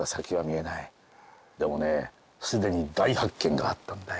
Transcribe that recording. でもね既に大発見があったんだよ。